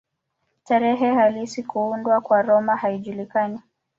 Tarehe halisi ya kuundwa kwa Roma haijulikani.